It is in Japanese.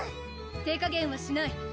手加減はしない！